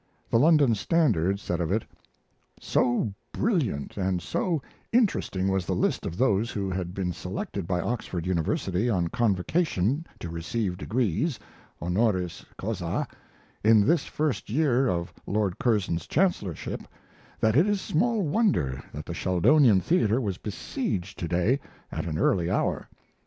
The London Standard said of it: So brilliant and so interesting was the list of those who had been selected by Oxford University on Convocation to receive degrees, 'honoris causa', in this first year of Lord Curzon's chancellorship, that it is small wonder that the Sheldonian Theater was besieged today at an early hour.